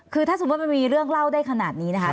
คือถ้าสมมุติมันมีเรื่องเล่าได้ขนาดนี้นะคะ